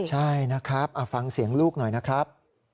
ใช่นะครับฟังเสียงลูกหน่อยนะครับ